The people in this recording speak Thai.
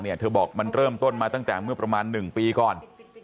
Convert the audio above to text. เธอบอกมันเริ่มต้นมาตั้งแต่เมื่อประมาณ๑ปีก่อน